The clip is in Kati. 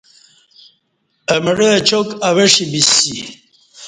اہ مڑہ اچاک اوہ ݜی بیسی